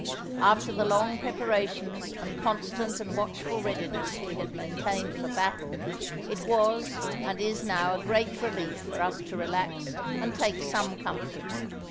After the long preparations and constant and watchful readiness we had maintained for battle, it was and is now a great relief for us to relax and take some comfort.